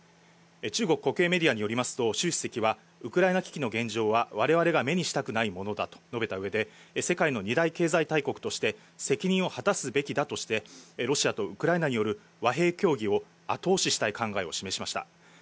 中国国営メディアによりますと習主席はウクライナ危機の現状は、我々が目にしたくないものだと述べ世界の２大経済大国として責任を果たすべきだとしてロシアとウクライナによる和平協議を後押ししたい考えを示しました。